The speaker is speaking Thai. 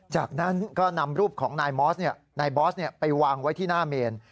จากนั้นก็นำรูปของนายมอสนายบอสไปวางไว้ที่หน้าเมน